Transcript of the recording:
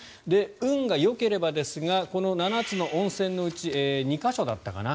運がよければですがこの７つの温泉のうち２か所だったかな